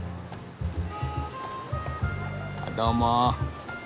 どうも！